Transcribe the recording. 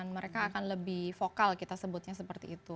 mereka akan lebih vokal kita sebutnya seperti itu